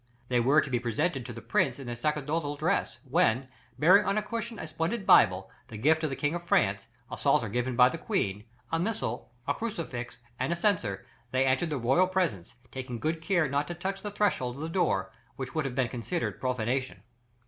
They were to be presented to the prince in their sacerdotal dress, when, bearing on a cushion a splendid Bible, the gift of the King of France, a Psalter given by the Queen, a Missal, a crucifix and a censer, they entered the royal presence, taking good care not to touch the threshold of the door, which would have been considered profanation.